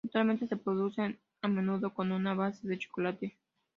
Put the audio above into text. Actualmente se producen a menudo con una base de chocolate.